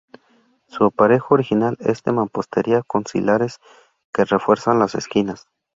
Su aparejo original es de mampostería con sillares que refuerzan las esquinas.